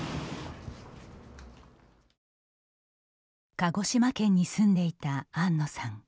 鹿児島県に住んでいた安野さん。